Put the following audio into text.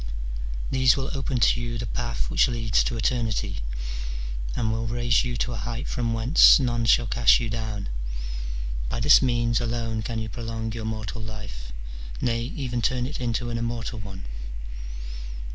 These will open to you the path which leads to eternity, and will raise you to a height from whence none shall cast you down. By this means alone can you prolong your mortal life, nay, even turn it into an immortal one.